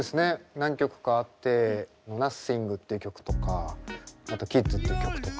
何曲かあって「Ｎｏｔｈｉｎｇ」っていう曲とかあと「ＫＩＤＳ」っていう曲とか。